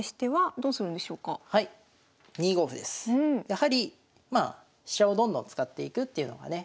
やはりまあ飛車をどんどん使っていくっていうのがね